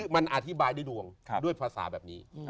มันอธิบายด้วยดวงด้วยภาษาแบบนี้